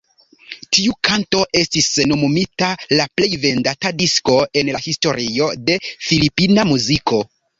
Tiu kanto estis nomumita la plej vendata disko en la historio de filipina muziko.